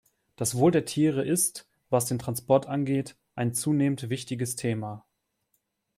Das Wohl der Tiere ist, was den Transport angeht, ein zunehmend wichtiges Thema.